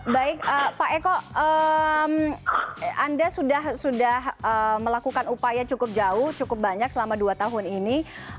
baik pak eko anda sudah melakukan upaya cukup jauh cukup banyak selama dua tahun ini